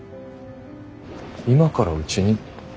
今からうちに？